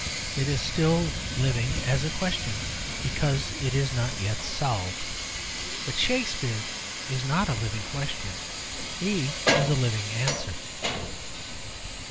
It is still living as a question, because it is not yet solved. But Shakspere is not a living question: he is a living answer.